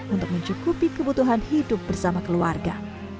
untuk mencukupi kebutuhan hidup bersama keluarga